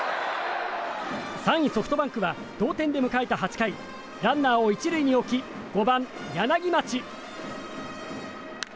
３位ソフトバンクは同点で迎えた８回ランナーを１塁に置き５番の柳町。